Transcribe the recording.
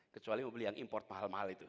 kecuali mobil yang import mahal mahal itu